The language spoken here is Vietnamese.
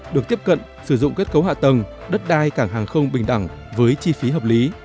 được tiếp cận sử dụng kết cấu hạ tầng đất đai cảng hàng không bình đẳng với chi phí hợp lý